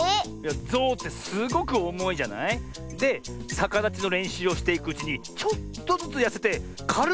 ゾウってすごくおもいじゃない？でさかだちのれんしゅうをしていくうちにちょっとずつやせてかるくなってくとおもうんだよ。